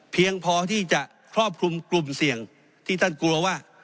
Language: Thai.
เพียงพอที่จะครอบคลุมกลุ่มเสี่ยงที่ท่านกลัวว่า